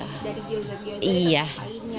dari jilgah jilgah itu ada yang palingnya